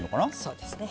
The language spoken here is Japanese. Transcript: そうですね。